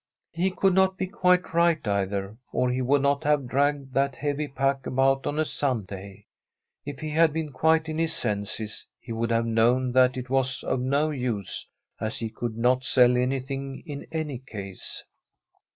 He could not be quite right, either, or he would not have dragged that heavy pack about on a Sunday. If he had been quite in his senses, he would have known that it was of no use, as he coCild not sell anything in any case.